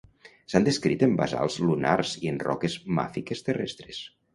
S'ha descrit en basalts lunars i en roques màfiques terrestres.